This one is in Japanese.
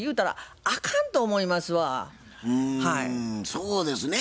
そうですね。